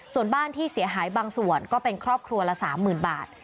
ส่วนบ้านที่เสียหายบางส่วนก็เป็นครอบครัวละ๓๐๐๐บาท